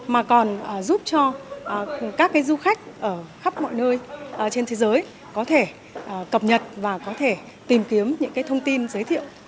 mà còn giúp cho các du khách ở khắp mọi nơi trên thế giới có thể cập nhật và có thể tìm kiếm những thông tin giới thiệu